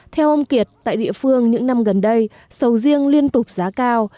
theo ông kiệt tại địa phương những năm gần đây sầu riêng liên tục giá cao